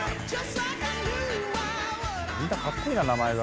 みんなかっこいいな名前が。